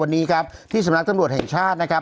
วันนี้ครับที่สำนักตำรวจแห่งชาตินะครับ